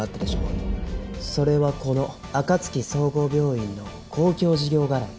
それはこのあかつき総合病院の公共事業絡み。